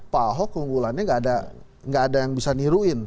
pak ahok keunggulannya nggak ada yang bisa niruin